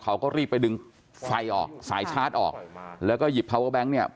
เขาก็รีบไปดึงไฟออกสายชาร์จออกแล้วก็หยิบพาวเวอร์แบงค์เนี่ย